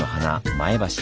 前橋。